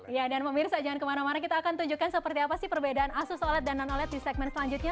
ya dan pemirsa jangan kemana mana kita akan tunjukkan seperti apa sih perbedaan asus oled dan non oled di segmen selanjutnya